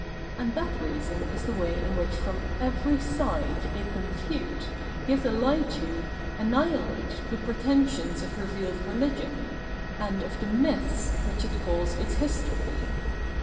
And that reason is the way in which from every side they confute, give the lie to, annihilate, the pretensions of revealed religion, and of the myths which it calls its history.